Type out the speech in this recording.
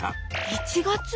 １月？